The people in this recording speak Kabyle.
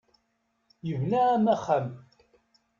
Yebna-am axxam.